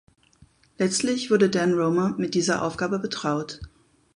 Letztlich wurde Dan Romer mit dieser Aufgabe betraut.